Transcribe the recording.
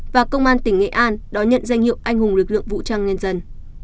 và công an tỉnh nghệ an đón nhận danh hiệu anh hùng lực lượng vũ trang nhân dân